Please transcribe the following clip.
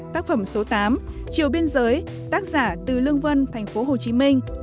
tác phẩm số tám chiều biên giới tác giả từ lương vân tp hcm